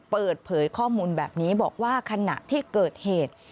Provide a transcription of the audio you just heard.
เปิดเผยข้อมูลแบบนี้บอกว่าขณะที่เกิดเหตุ